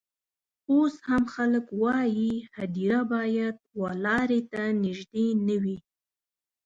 اوس هم خلک وايي هدیره باید و لاري ته نژدې نه وي.